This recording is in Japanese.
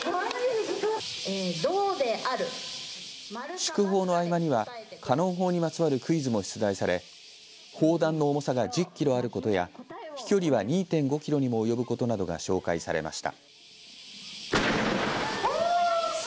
祝砲の合間にはカノン砲にまつわるクイズも出題され砲弾の重さが１０キロあることや飛距離は２．５キロにも及ぶことなどが紹介されました。